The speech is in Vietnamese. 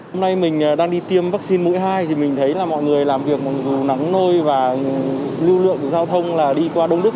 hôm nay mình đang đi tiêm vaccine mũi hai thì mình thấy là mọi người làm việc mặc dù nắng nôi và lưu lượng giao thông là đi qua đông đức